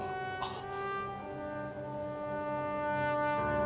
あっ。